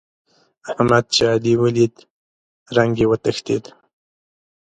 احمد چې علي وليد؛ رنګ يې وتښتېد.